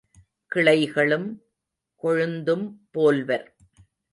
கிளைகளும் கொழுந்தும்போல்வர்.